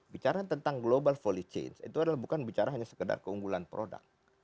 bicara tentang global folly chain itu adalah bukan bicara hanya sekedar keunggulan produk